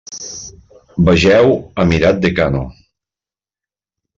Vegeu Emirat de Kano.